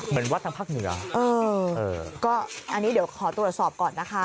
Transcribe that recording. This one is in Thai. เหมือนวัดทางภาคเหนือเออก็อันนี้เดี๋ยวขอตรวจสอบก่อนนะคะ